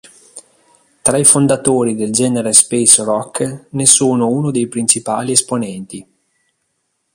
Tra i fondatori del genere space rock, ne sono uno dei principali esponenti.